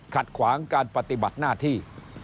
ขัดขวางการปฏิบัติหน้าที่